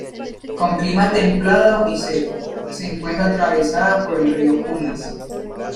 Con clima templado y seco, se encuentra atravesada por el Río Cunas.